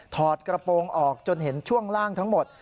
อดกระโปรงออกจนเห็นช่วงล่างทั้งหมด